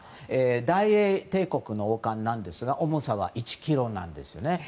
大英帝国の王冠なんですが重さは１ｋｇなんですね。